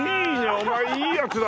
お前いいやつだな。